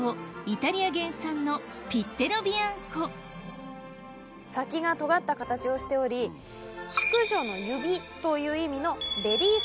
イタリア原産の先がとがった形をしており淑女の指という意味のレディー